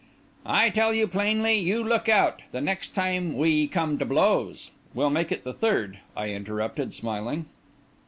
"I tell you plainly, you look out. The next time we come to blows—" "Will make the third," I interrupted, smiling.